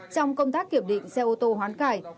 trong công tác kiểm định xe ô tô hoán cải